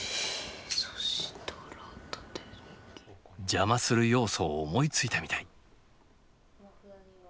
邪魔する要素を思いついたみたい。